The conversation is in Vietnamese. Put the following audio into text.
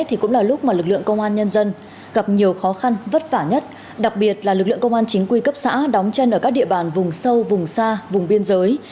thì cũng là lúc mà lực lượng công an nhân dân gặp nhiều khó khăn vất vả nhất đặc biệt là lực lượng công an chính quy cấp xã đóng chân ở các địa bàn vùng sâu vùng xa vùng biên giới